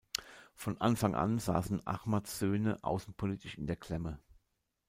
Von Anfang an saßen Ahmads Söhne außenpolitisch in der Klemme.